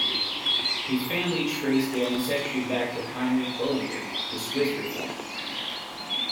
His family traced their ancestry back to Heinrich Bullinger, the Swiss Reformer.